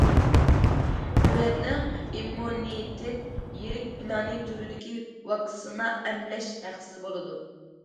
دۆلەتنىڭ ئىممۇنىتېت يىرىك پىلانى تۈرىدىكى ۋاكسىنا ئەملەش ھەقسىز بولىدۇ.